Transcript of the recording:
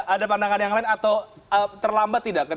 ada pandangan yang lain atau terlambat tidak